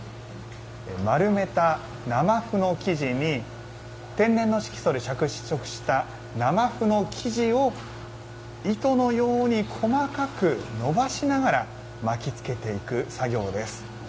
丸めた生麩の生地に天然の色素で着色した生麩の生地を糸のように細かく伸ばしながら巻きつけていく作業です。